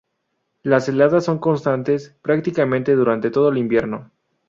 Las heladas son constantes prácticamente durante todo el invierno.